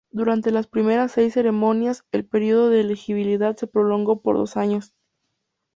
Durante las primeras seis ceremonias, el periodo de elegibilidad se prolongó por dos años.